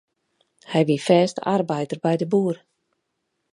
Hy wie fêste arbeider by de boer.